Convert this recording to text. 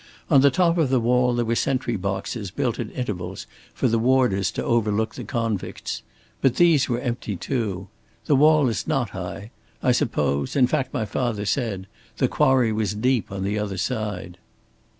On the top of the wall, there were sentry boxes built at intervals, for the warders to overlook the convicts. But these were empty too. The wall is not high; I suppose in fact my father said the quarry was deep on the other side."